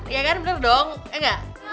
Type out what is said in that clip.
iya kan bener dong eh enggak